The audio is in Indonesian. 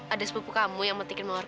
ada sepupu kamu yang metik mawar aku